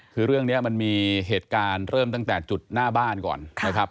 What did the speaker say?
คือเรื่องนี้มันมีเหตุการณ์เริ่มตั้งแต่จุดหน้าบ้านก่อนนะครับ